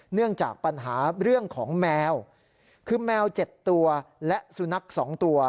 เนื่องจากปัญหาเรื่องของแมวคือแมว๗ตัวและสุนัข๒ตัว